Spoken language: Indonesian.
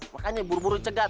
makanya buru buru cegat